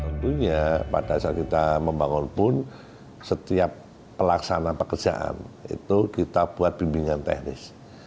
tentunya pada saat kita membangun pun setiap pelaksana pekerjaan itu kita buat bimbingan teknis